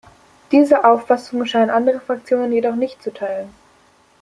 Diese Auffassung scheinen andere Fraktion jedoch nicht zu teilen.